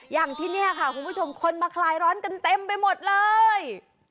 อย่างที่นี่ค่ะคุณผู้ชมคนมาคลายร้อนกันเต็มไปหมดเลย